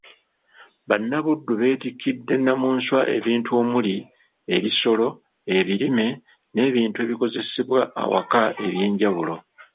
Bannabuddu beetikkidde Nnamunswa ebintu omuli; ebisolo, ebirime n'ebintu ebikozesebwa awaka eby'enjawulo.